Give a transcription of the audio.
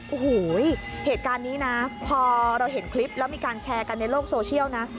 โอ้โหเหตุการณ์นี้นะพอเราเห็นคลิปแล้วมีการแชร์กันในโลกโซเชียลนะ